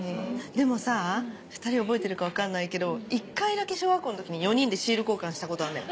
でもさ２人覚えてるか分かんないけど１回だけ小学校の時に４人でシール交換したことあんだよ。